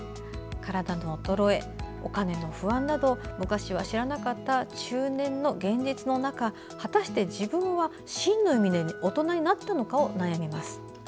体の衰え、お金の不安など昔は知らなかった中年の現実の中果たして自分は真の意味で大人になったのかを悩みます。